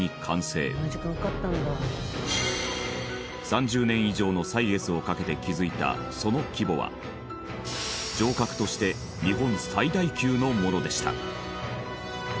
３０年以上の歳月をかけて築いたその規模は城郭として日本最大級のものでした。